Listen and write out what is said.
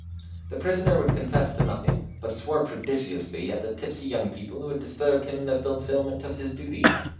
The prisoner would confess to nothing, but swore prodigiously at the tipsy young people who had disturbed him in the fulfilment of his duty.